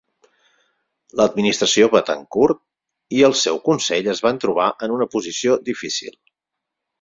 L'administració Betancur i el seu consell es van trobar en una posició difícil.